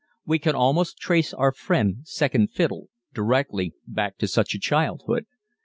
We can almost trace our friend "Second Fiddle" directly back to such a childhood.